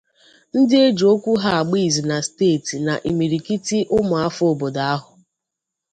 ndị e ji okwu ha agba ìzù na steeti na imirikiti ụmụafọ obodo ahụ